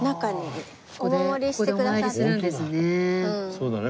そうだね